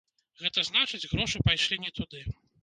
Гэта значыць, грошы пайшлі не туды.